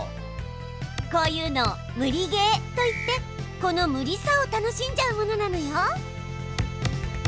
こういうのを無理ゲーといってこの無理さを楽しんじゃうものなのよ。